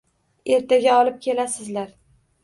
Ertaga olib kelasizlar